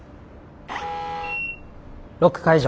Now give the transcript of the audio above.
ロック解除。